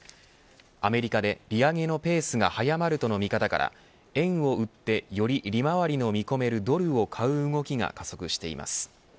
アメリカで利上げのペースが速まるとの見方から円を売って、より利回りの見込めるドルを買う動きが加速しています。